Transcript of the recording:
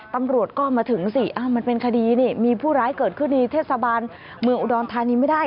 ตำรวจก็มาถึงสิมันเป็นคดีนี่มีผู้ร้ายเกิดขึ้นในเทศบาลเมืองอุดรธานีไม่ได้